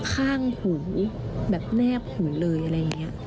ข้างหูแบบแนบหูเลยอะไรอย่างนี้